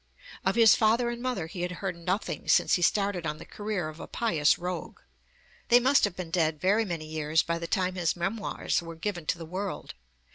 Of his father and mother he had heard nothing since he started on the career of a pious rogue. They must have been dead very many years by the time his Memoirs were given to the world.